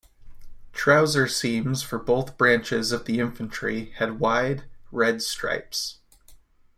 Trouser seams for both branches of the infantry had wide red stripes.